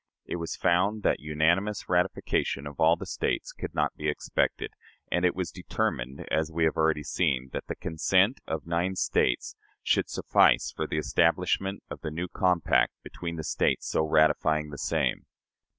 It was found that unanimous ratification of all the States could not be expected, and it was determined, as we have already seen, that the consent of nine States should suffice for the establishment of the new compact "between the States so ratifying the same."